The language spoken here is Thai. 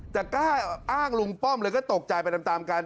แต่กล้าอ้างลุงป้อมเลยก็ตกใจไปตามกัน